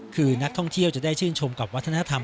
คือนักท่องเที่ยวจะได้ชื่นชมกับวัฒนธรรม